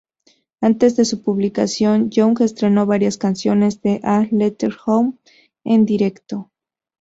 Antes de su publicación, Young estrenó varias canciones de "A Letter Home" en directo.